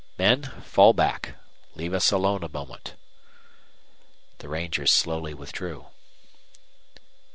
"Men, fall back, leave us alone a moment." The rangers slowly withdrew.